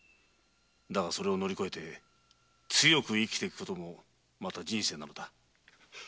だがそれを乗りこえて強く生きてくこともまた人生なのだ。